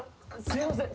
すいません